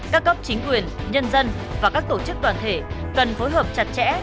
các cấp chính quyền nhân dân và các tổ chức đoàn thể cần phối hợp chặt chẽ